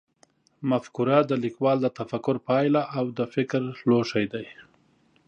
مفکوره د لیکوال د تفکر پایله او د فکر لوښی دی.